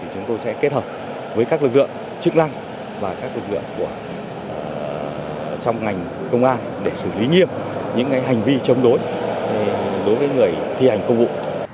chúng tôi sẽ kết hợp với các lực lượng chức năng và các lực lượng trong ngành công an để xử lý nghiêm những hành vi chống đối với người thi hành công vụ